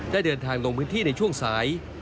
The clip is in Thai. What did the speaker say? ได้เดินทางลงพื้นที่ในช่วงสาย